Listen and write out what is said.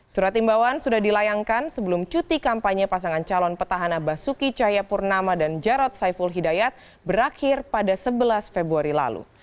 surat imbauan sudah dilayangkan sebelum cuti kampanye pasangan calon petahana basuki cahayapurnama dan jarod saiful hidayat berakhir pada sebelas februari lalu